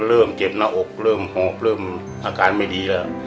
เริ่มเจ็บหน้าอกเริ่มหอบเริ่มอาการไม่ดีแล้ว